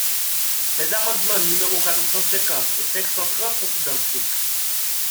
Les amendements numéros quatre cent cinquante et cinq cent trente sont identiques.